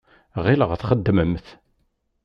Ɣileɣ txeddmemt.